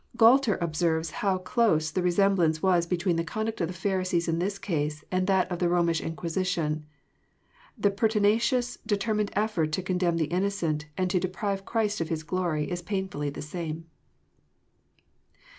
Gualter observes how close the resemblance was between the conduct of the Pharisees in this case, and that of the Romish Inquisition. The pertinacious, determined effort to condemn the innocent, and to deprive Christ of His glory, is painfully the same.